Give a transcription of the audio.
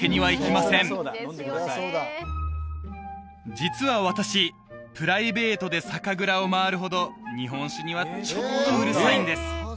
実は私プライベートで酒蔵を回るほど日本酒にはちょっとうるさいんです